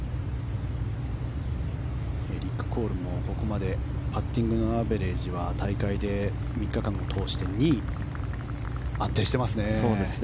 エリック・コールも、ここまでパッティングのアベレージは大会で３日間通して２位安定していますね。